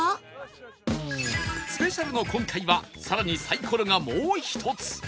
スペシャルの今回は更にサイコロがもう一つ